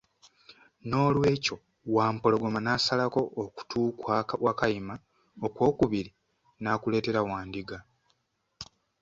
N'olwekyo Wampologoma nasalako okutu kwa Wakayima okw'okubiri n'akuleetera Wandiga.